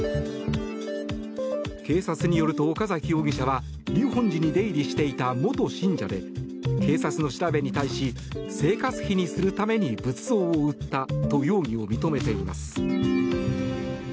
警察によると岡崎容疑者は立本寺に出入りしていた元信者で警察の調べに対し生活費にするために仏像を売ったと容疑を認めています。